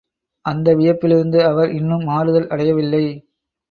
அந்த வியப்பிலிருந்து அவர் இன்னும் மாறுதல் அடையவில்லை.